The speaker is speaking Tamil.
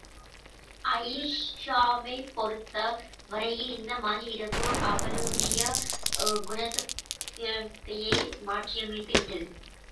அயீஷாவைப் பொறுத்த வரையில் இந்த மாய இரவு, அவளுடைய குணசித்திரத்தையே மாற்றியமைத்து விட்டது.